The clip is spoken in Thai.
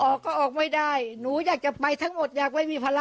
ออกก็ออกไม่ได้หนูอยากจะไปทั้งหมดอยากไม่มีภาระ